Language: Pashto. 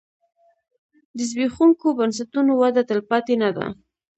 د زبېښونکو بنسټونو وده تلپاتې نه ده.